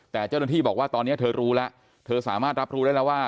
แต่เจ้าหน้าที่บอกว่าตอนนี้เธอรู้แล้วเธอสามารถรับรู้ได้แล้วว่า